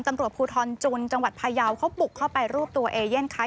ตำรวจภูทรจุนจังหวัดพยาวเขาบุกเข้าไปรวบตัวเอเย่นค้า